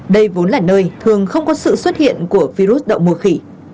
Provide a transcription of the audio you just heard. đây vốn là nơi thường không có sự xuất hiện của virus động mùa khỉ